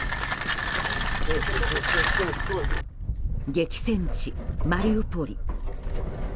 激戦地、マリウポリ。